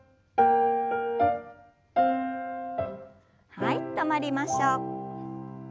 はい止まりましょう。